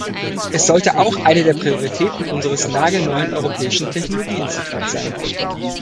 Es sollte auch eine der Prioritäten unseres nagelneuen Europäischen Technologieinstituts sein.